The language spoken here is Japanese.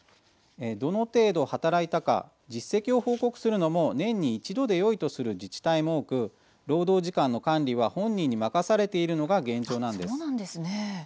どの程度、働いたか実績を報告するのも年に一度でよいとする自治体も多く労働時間の管理は本人に任されているのが現状なんです。